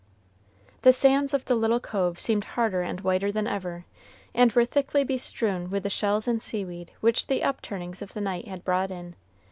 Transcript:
The sands of the little cove seemed harder and whiter than ever, and were thickly bestrewn with the shells and seaweed which the upturnings of the night had brought in.